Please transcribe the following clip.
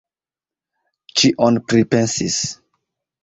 Ĉion pripensis.